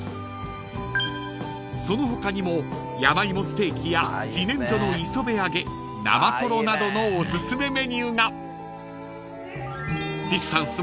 ［その他にも山芋ステーキや自然薯の磯辺揚げ生とろなどのおすすめメニューが］